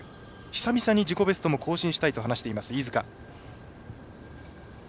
久々に自己ベストを更新したいと話しています、飯塚。